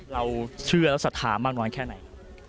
เราเชื่อและศรัทธามากน้อยแค่ไหน